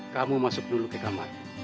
kamu masuk dulu ke kamar